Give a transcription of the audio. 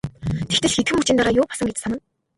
Тэгтэл хэдхэн мөчийн дараа юу болсон гэж санана.